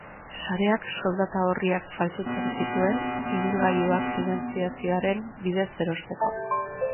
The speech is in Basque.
Sareak soldata-orriak faltsutzen zituen, ibilgailuak finatziazioen bidez erosteko.